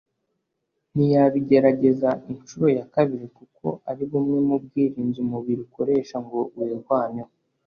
ntiyabigerageza inshuro ya kabiri kuko ari bumwe mu bwirinzi umubiri ukoresha ngo wirwaneho